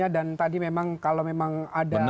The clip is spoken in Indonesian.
dan tadi memang kalau memang ada